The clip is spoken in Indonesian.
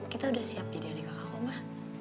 kita udah siap jadi adik kakak koma